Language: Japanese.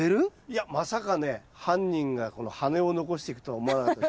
いやまさかね犯人がこの羽根を残していくとは思わなかった。